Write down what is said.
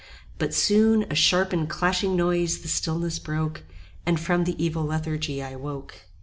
But soon A sharp and clashing noise the stillness broke, And from the evil lethargy I woke.